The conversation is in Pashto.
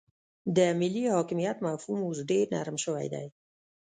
د ملي حاکمیت مفهوم اوس ډیر نرم شوی دی